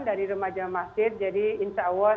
dari rumah jamaah masjid jadi insya allah